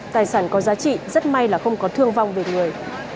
tài sản có giá trị rất may là không có thương vong về người